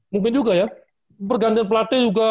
mungkin juga ya pergantian pelatih juga